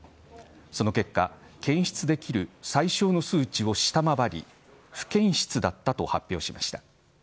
その結果、検出できる最小の数値を下回り不検出だったと発表しました。